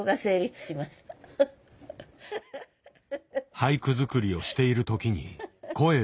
俳句作りをしているときに声をかけない。